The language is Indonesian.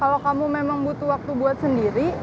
kalau kamu memang butuh waktu buat sendiri